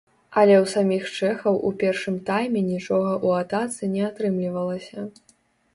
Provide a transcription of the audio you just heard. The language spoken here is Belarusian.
Але ў саміх чэхаў у першым тайме нічога ў атацы не атрымлівалася.